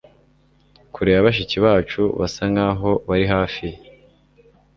Kure ya bashiki bacu basa nkaho bari hafi ye